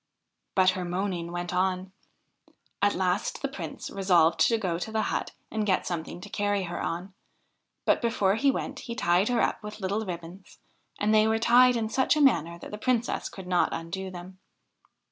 But her moaning went on. At last the Prince resolved to go to the hut and get something to carry her on, but before he went he tied her up with little ribbons, and they were tied in such a manner that the Princess could not undo them.